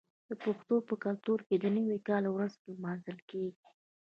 د پښتنو په کلتور کې د نوي کال ورځ لمانځل کیږي.